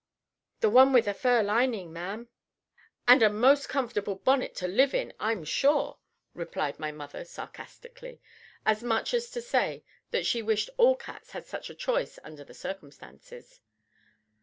"The one with the fur lining, ma'am." "And a most comfortable bonnet to live in, I'm sure!" replied my mother sarcastically, as much as to say that she wished all cats had such a choice under the circumstances.